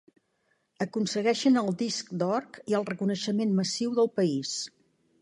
Aconsegueixen el disc d'Or i el reconeixement massiu del país.